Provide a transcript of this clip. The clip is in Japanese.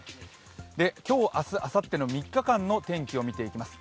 今日、明日、あさっての３日間の天気を見ていきます。